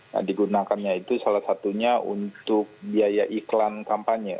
nah digunakannya itu salah satunya untuk biaya iklan kampanye